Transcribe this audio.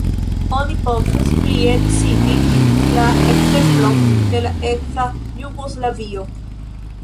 Oni povus plie citi la ekzemplon de la eksa Jugoslavio.